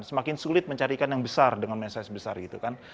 semakin sulit mencari ikan yang besar dengan message besar gitu kan